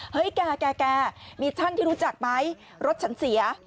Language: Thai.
แกมีช่างที่รู้จักไหมรถฉันเสีย